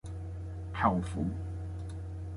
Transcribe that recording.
舅父